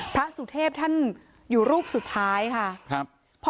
พระสุเทพท่านอยู่รูปสุดท้ายค่ะครับ